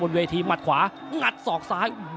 เวทีหมัดขวางัดศอกซ้าย